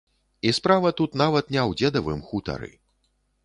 І справа тут нават не ў дзедавым хутары.